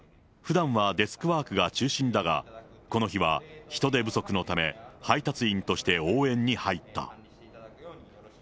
ふだんはデスクワークが中心だが、この日は人手不足のため、配達員として応援に入った。